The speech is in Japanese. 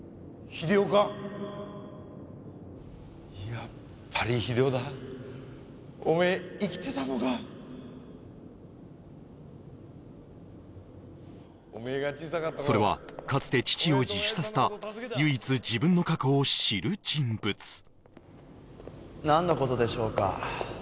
やっぱり秀夫だおめえ生きてたのかそれはかつて父を自首させた何のことでしょうか